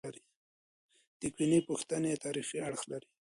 تکویني پوښتنې تاریخي اړخ لري.